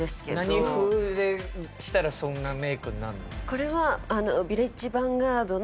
何風でしたらそんなメイクになるの？